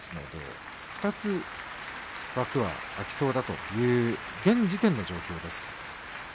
ですから、２つ枠が空きそうだという現時点での状況です。